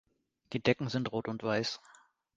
Die Decken sind Rot und Weiß.